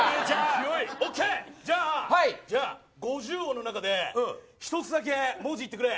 オーケー、じゃあ五十音の中で１つだけ文字を言ってくれ。